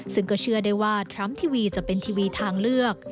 ซึ่งก็เชื่อได้ว่าทรัมป์ทีวีจะเป็นทีวีทางเลือก